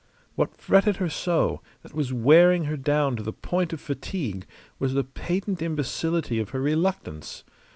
What fretted her so, what was wearing her down to the point of fatigue, was the patent imbecility of her reluctance.